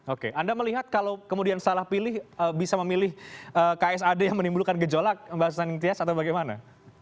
oke anda melihat kalau kemudian salah pilih bisa memilih ksad yang menimbulkan gejolak mbak susaning tias atau bagaimana